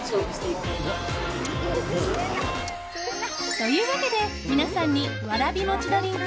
というわけで皆さんにわらび餅ドリンク